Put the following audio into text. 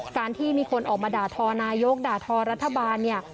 การที่มีคนออกมาด่าทอนายกด่าทอรัฐบาลเนี่ย